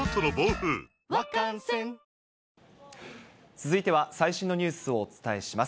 続いては、最新のニュースをお伝えします。